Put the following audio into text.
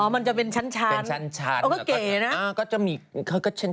อ๋อมันจะเป็นชั้นเป็นชั้นอันนี้ล่ะเขาก็เก๋นะ